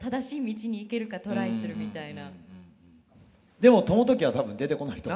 でも朝時は多分出てこないと思う。